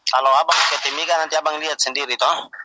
kalau abang ketemikan nanti abang lihat sendiri